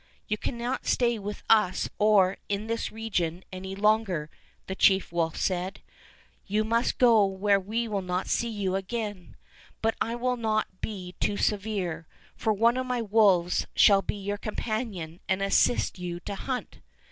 ''You cannot stay with us or in this region any longer," the chief wolf said. "You must 53 Fairy Tale Bears go where we will not see you again; but I will not be too severe, for one of my wolves shall be your companion and assist you to hunt."